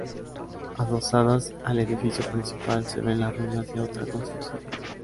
Adosadas al edificio principal se ven las ruinas de otra construcción.